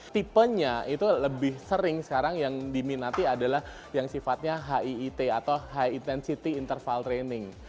tipenya itu lebih sering sekarang yang diminati adalah yang sifatnya hiit atau high intensity interval training